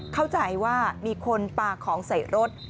เข้าใจว่ามีคนปลาของใส่รถ